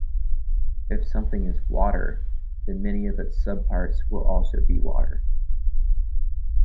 If something is "water", then many of its subparts will also be "water".